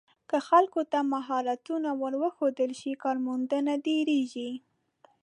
که خلکو ته مهارتونه ور وښودل شي، کارموندنه ډېریږي.